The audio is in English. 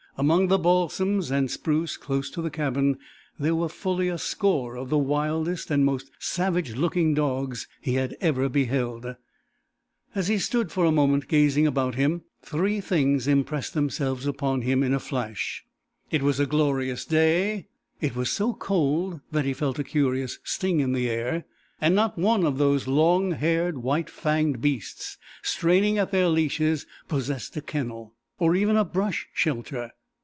Among the balsams and spruce close to the cabin there were fully a score of the wildest and most savage looking dogs he had ever beheld. As he stood for a moment, gazing about him, three things impressed themselves upon him in a flash: it was a glorious day, it was so cold that he felt a curious sting in the air, and not one of those long haired, white fanged beasts straining at their leashes possessed a kennel, or even a brush shelter.